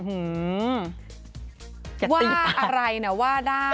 ว่าอะไรว่าได้